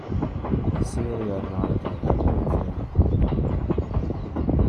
Celia nodded her head gratefully.